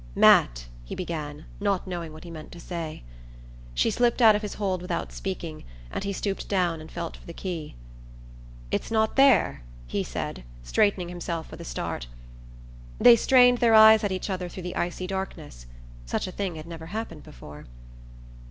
"Matt " he began, not knowing what he meant to say. She slipped out of his hold without speaking, and he stooped down and felt for the key. "It's not there!" he said, straightening himself with a start. They strained their eyes at each other through the icy darkness. Such a thing had never happened before.